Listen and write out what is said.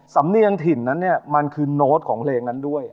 สำเนียงถิ่นนั้นเนี่ยมันคือโน้ตของเพลงนั้นด้วย